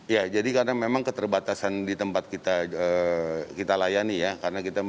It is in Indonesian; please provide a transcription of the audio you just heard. ya jadi karena memang keterbatasan di tempat kita layani ya